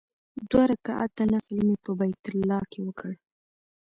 دوه رکعاته نفل مې په بیت الله کې وکړ.